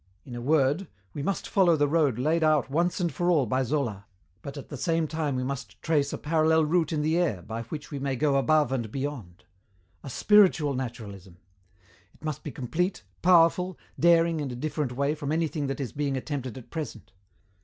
In a word, we must follow the road laid out once and for all by Zola, but at the same time we must trace a parallel route in the air by which we may go above and beyond.... A spiritual naturalism! It must be complete, powerful, daring in a different way from anything that is being attempted at present.